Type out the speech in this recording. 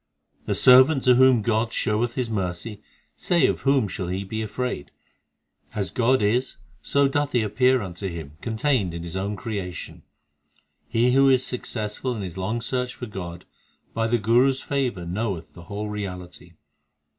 The servant to whom God showeth His mercy Say of whom shall he be afraid : As God is, so doth He appear unto him Contained in His own creation. He who is successful in his long search for God, By the Guru s favour knoweth the whole reality.